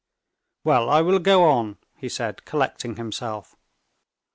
"Well, I will go on," he said, collecting himself.